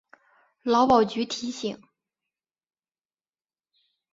劳保局提醒